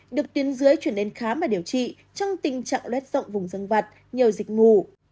được tuyến dưới chuyển đến khám và điều trị trong tình trạng lét rộng vùng dân vật nhờ dịch mù